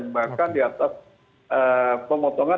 bahkan di atas pemotongan